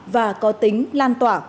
và có tính lan tỏa